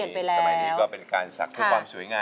เมื่อก่อนเป็นการสักเพื่อความสวยงาม